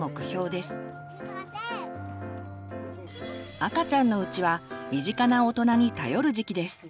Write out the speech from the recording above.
赤ちゃんのうちは身近な大人に頼る時期です。